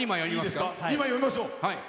今読みましょう。